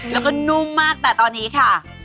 แล้วก็นุ่มมากแต่ตอนนี้ค่ะ